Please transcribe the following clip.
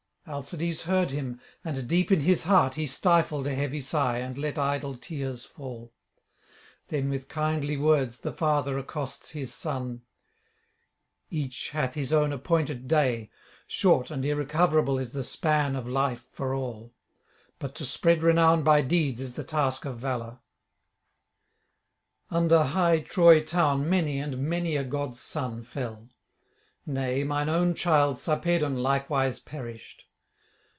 Alcides heard him, and deep in his heart he stifled a heavy sigh, and let idle tears fall. Then with kindly words the father accosts his son: 'Each hath his own appointed day; short and irrecoverable [468 502]is the span of life for all: but to spread renown by deeds is the task of valour. Under high Troy town many and many a god's son fell; nay, mine own child Sarpedon likewise perished.